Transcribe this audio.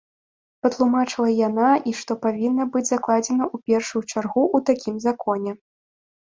Патлумачыла яна, і што павінна быць закладзена ў першую чаргу ў такім законе.